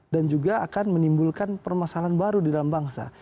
dan juga akan menimbulkan permasalahan baru di dalam bangsa